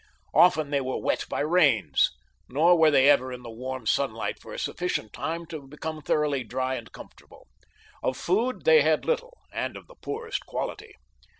Often they were wet by rains, nor were they ever in the warm sunlight for a sufficient length of time to become thoroughly dry and comfortable. Of food they had little, and of the poorest quality.